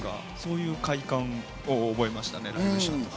そういう快感を覚えましたね。